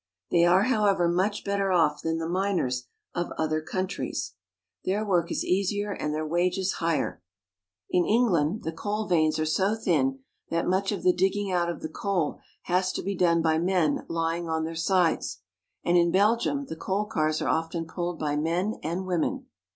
They are, however, much better off than the miners of other countries. Their work is easier and their wages higher. In England the coal veins are so thin that much of the digging out of the coal has to be done by men lying on their sides; and in Belgium the coal cars are often pulled by men and women.